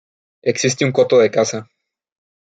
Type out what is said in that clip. Existe un coto de caza.